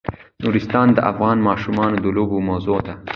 نورستان د افغان ماشومانو د لوبو موضوع ده.